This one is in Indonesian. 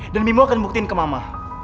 dan bimu akan buktiin ke mama